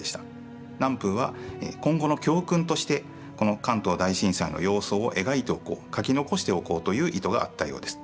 南風は今後の教訓としてこの関東大震災の様相を描いておこう描き残しておこうという意図があったようです。